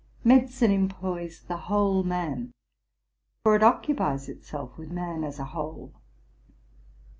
Medicine employs the whole man, for it occupies itself with man as a whole.